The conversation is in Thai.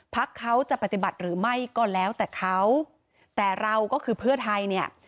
พักเขาจะปฏิบัติหรือไม่ก็แล้วแต่เขาแต่เราก็คือเพื่อไทยเนี่ย